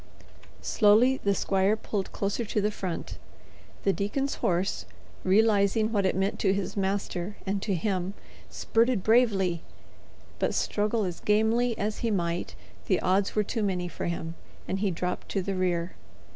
Slowly the squire pulled closer to the front; the deacon's horse, realizing what it meant to his master and to him, spurted bravely, but, struggle as gamely as he might, the odds were too many for him, and he dropped to the rear.